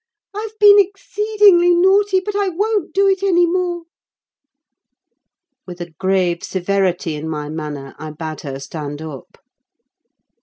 I've been exceedingly naughty, but I won't do it any more!" With a grave severity in my manner I bade her stand up.